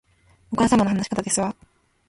お母様の話し方ですわ